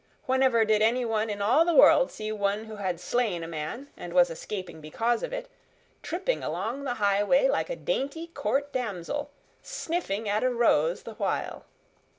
Whenever did anyone in all the world see one who had slain a man, and was escaping because of it, tripping along the highway like a dainty court damsel, sniffing at a rose the while?"